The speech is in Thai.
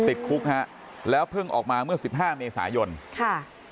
ติดคุกฮะแล้วเพิ่งออกมาเมื่อสิบห้าเมษายนค่ะ